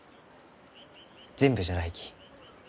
全部じゃないき。